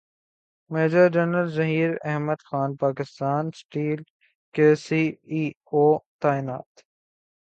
major general Zaheer Ahmed Khan Pakistan steel کے C E O تعینات